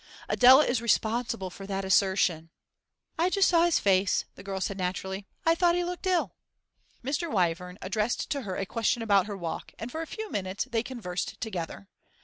Adela is responsible for that assertion.' 'I just saw his face,' the girl said naturally. 'I thought he looked ill.' Mr. Wyvern addressed to her a question about her walk, and for a few minutes they conversed together.